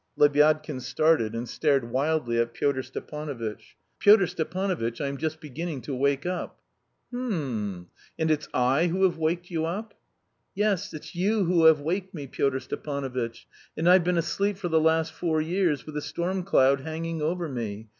Lebyadkin started and stared wildly at Pyotr Stepanovitch. "Pyotr Stepanovitch, I am just beginning to wake up." "H'm! And it's I who have waked you up?" "Yes, it's you who have waked me, Pyotr Stepanovitch; and I've been asleep for the last four years with a storm cloud hanging over me.